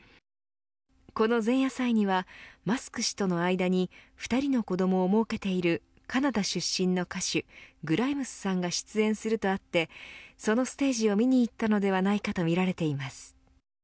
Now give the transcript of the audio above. この前夜祭にはマスク氏との間に２人の子どもを設けているカナダ出身の歌手グライムスさんが出演するとあってそのステージを見に行ったのではないかとみられています。